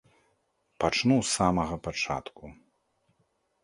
Пачну з самага пачатку.